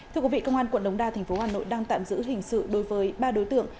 thưa quý vị công an quận đống đa tp hà nội đang tạm giữ hình sự đối với ba đối tượng